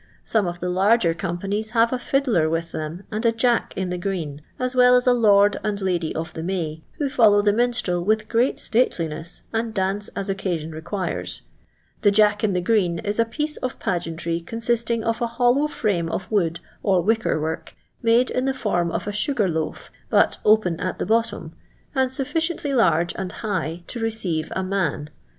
Some of the lai^ger companies have a fiddler with them, and a Jack in the Green, as well as a Lord and Lady of the May, who follow the minstrel with great stateliness, and dance as occasion reqairesv The Jack in the Oreen is a piece of pageantry consisting of a hollow fnune of wood or wicker work, made in the form of a 8ugar loaf, but open at the bottom, and snfHdeBtly large and high to rscdre a man.